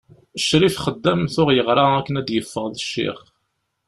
Ccrif Xeddam tuɣ yeɣra akken ad d-yeffeɣ d ccix.